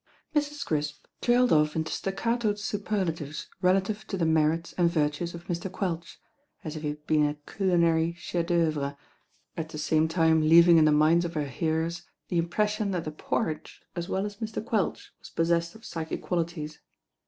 Mrs. Crisp trailed off into stac catoed superlatives relative to the merits and vir tues of Mr. Quelch, as if he had been a culinary chef d^aeuvre, at the same time leaving in the minds THE HEIRESS INDISPOSED 117 ',» of her hearers the impression that the porridge as well as Mr. Quelch was possessed of psychic quali ties.